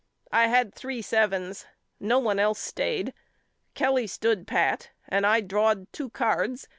I had three sevens. No one else stayed. Kelly stood pat and I drawed two cards.